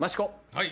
はい。